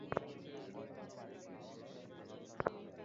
আগামীকাল থেকে শুরু হতে যাওয়া ক্যাম্প দিয়েই শুরু হয়ে যাচ্ছে ডিটসের দায়িত্ব।